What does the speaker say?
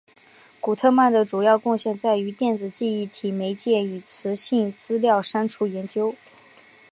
古特曼的主要贡献在于电子记忆体媒介与磁性资料删除研究。